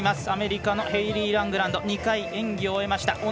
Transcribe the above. アメリカのヘイリー・ラングランド２回、演技を終えました。